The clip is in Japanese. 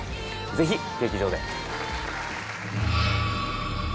ぜひ劇場で。